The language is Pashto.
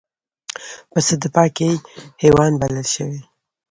پسه د پاکۍ حیوان بلل شوی.